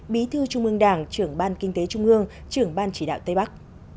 bí thư trung ương đảng trưởng ban kinh tế trung ương trưởng ban chỉ đạo tây bắc